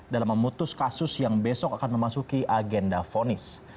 dalam memutus kasus yang besok akan memasuki agenda fonis